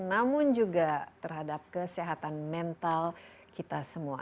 namun juga terhadap kesehatan mental kita semua